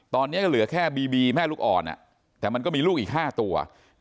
ตอนนี้ก็เหลือแค่บีบีแม่ลูกอ่อนแต่มันก็มีลูกอีก๕ตัว